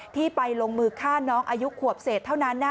ที่ไปลงมือฆ่าน้องอายุขวบเศษเท่านั้น